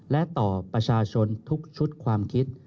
และต่อประชาชนทุกชุดความคิด